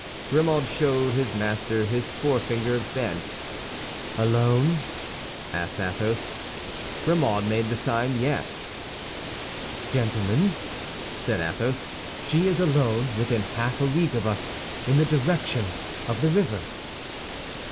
Grimaud showed his master his forefinger bent. "Alone?" asked Athos. Grimaud made the sign yes. "Gentlemen," said Athos, "she is alone within half a league of us, in the direction of the river."